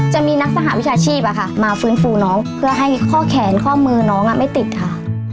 จะมีนักสหวิชาชีพมาฟื้นฟูน้องเพื่อให้ข้อแขนข้อมือน้องไม่ติดค่ะ